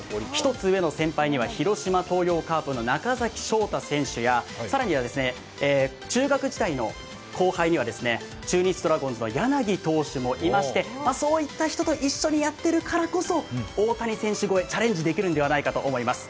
１つ上の先輩には広島東洋カープの中崎翔太選手や更には中学時代の後輩には中日ドラゴンズの柳投手もいましてそういった人と一緒にやっているからこそ、大谷選手越え、チャレンジできるんではないかと思います。